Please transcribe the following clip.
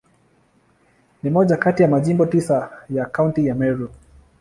Ni moja kati ya Majimbo tisa ya Kaunti ya Meru.